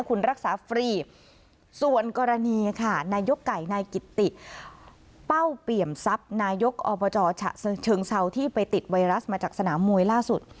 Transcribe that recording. คุณรักษาฟรีส่วนกรณีค่ะนายกไก่นายกิตติเป้าเปี่ยมทรัพย์นายกอบจฉะเชิงเซาที่ไปติดไวรัสมาจากสนามมวยล่าสุด